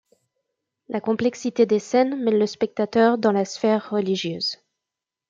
La complexité des scènes mène le spectateur dans la sphère religieuse.